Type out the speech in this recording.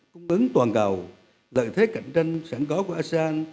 công ứng toàn cầu lợi thế cạnh tranh sản có của asean